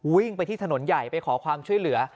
วิ่งไปที่ถนนใหญ่ไปขอความช่วยเหลือ